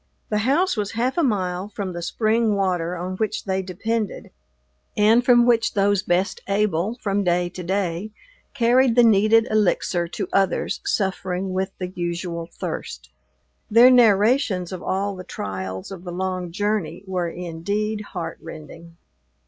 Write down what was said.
The house was half a mile from the spring water on which they depended and from which those best able, from day to day, carried the needed elixir to others suffering with the usual thirst. Their narrations of all the trials of the long journey were indeed heartrending.